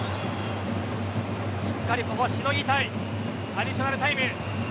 しっかり、ここはしのぎたいアディショナルタイム。